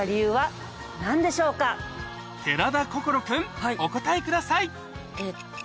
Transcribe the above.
寺田心君お答えください